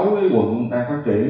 sáu quận đang phát triển